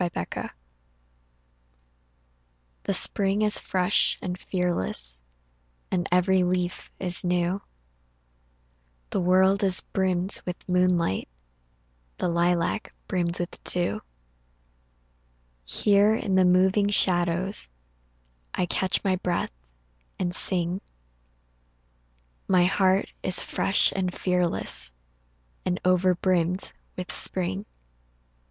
MAY NIGHT THE spring is fresh and fearless And every leaf is new, The world is brimmed with moonlight, The lilac brimmed with dew. Here in the moving shadows I catch my breath and sing My heart is fresh and fearless And over brimmed with spring.